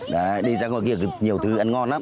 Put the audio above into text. đi ra ngoài kia nhiều thứ ăn ngon lắm